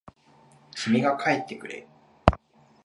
君が帰ってくれ。